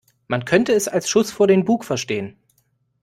Man könnte es als Schuss vor den Bug verstehen.